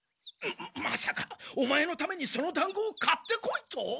まさかオマエのためにそのだんごを買ってこいと？